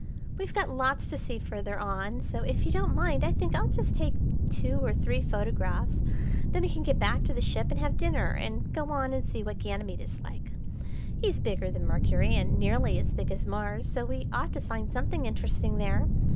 "We've got lots to see further on, so if you don't mind I think I'll just take two or three photographs, then we can get back to the ship and have dinner and go on and see what Ganymede is like. He's bigger than Mercury, and nearly as big as Mars, so we ought to find something interesting there.